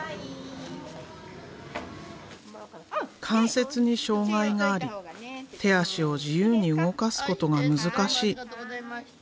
関節に障害があり手足を自由に動かすことが難しい。